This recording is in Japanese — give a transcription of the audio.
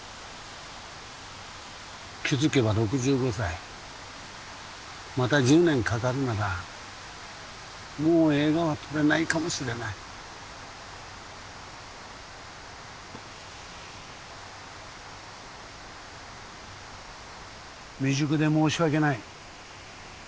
気づけば６５歳また１０年かかるならもう映画は撮れないかもしれない未熟で申し訳ない